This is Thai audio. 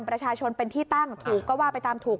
ประชาชนเป็นที่ตั้งถูกก็ว่าไปตามถูก